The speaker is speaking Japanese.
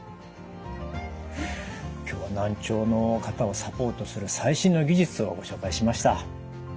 今日は難聴の方をサポートする最新の技術をご紹介しました。